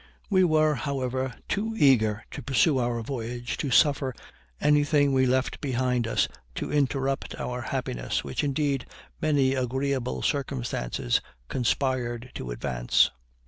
We were, however, too eager to pursue our voyage to suffer anything we left behind us to interrupt our happiness, which, indeed, many agreeable circumstances conspired to advance.